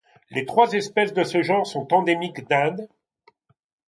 Les trois espèces de ce genre sont endémiques d'Inde.